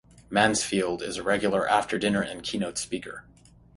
Mansfield is a regular after dinner and keynote speaker.